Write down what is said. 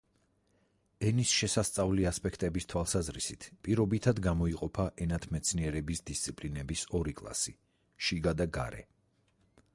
ენის შესასწავლი ასპექტების თვალსაზრისით პირობითად გამოიყოფა ენათმეცნიერების დისციპლინების ორი კლასი: შიგა და გარე.